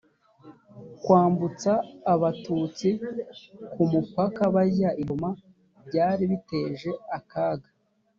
kwambutsa abatutsi ku mupaka bajya i goma byari biteje akaga